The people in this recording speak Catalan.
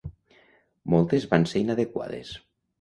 Moltes van ser inadequades.